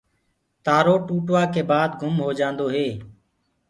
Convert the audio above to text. تآرو ٽوٚٽوآ ڪي بآد گُم هوجآندو هي۔